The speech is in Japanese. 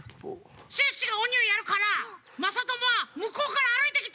シュッシュがおにをやるからまさともはむこうからあるいてきて。